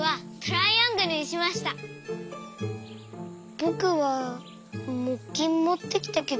ぼくはもっきんもってきたけど。